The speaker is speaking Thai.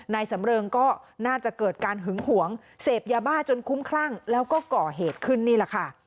นายสำเริงก็น่าจะเกิดการหึงหวงเสพยาบ้าจนคุ้มคลั่งแล้วก็ก่อเหตุขึ้นนี่แหละค่ะ